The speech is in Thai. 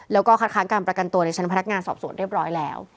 แล้วก็คัดค้างการประกันตัวในชั้นพนักงานสอบสวนเรียบร้อยแล้ว